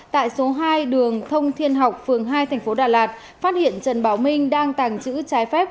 tại số hai đường thông thiên học phường hai thành phố đà lạt phát hiện trần bảo minh đang tàng trữ trái phép